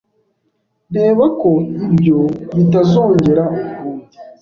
Reba ko ibyo bitazongera ukundi.